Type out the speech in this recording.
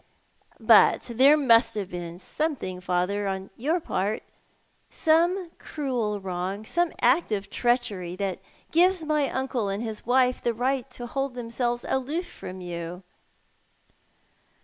" But tliere must have been something, father, on your part — some cruel wrong— some act of treachery that gives my uncle and his wife the right to hold themselves aloof from you."